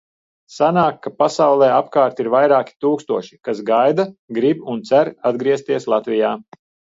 Sanāk, ka pasaulē apkārt ir vairāki tūkstoši, kas gaida, grib un cer atgriezties Latvijā.